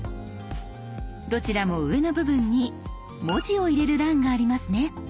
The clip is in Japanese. どちらも上の部分に文字を入れる欄がありますね。